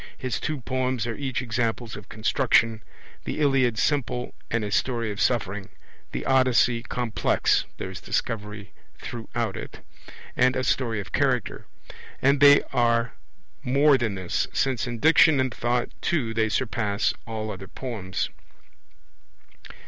His two poems are each examples of construction, the Iliad simple and a story of suffering, the Odyssey complex (there is Discovery throughout it) and a story of character. And they are more than this, since in Diction and Thought too they surpass all other poems.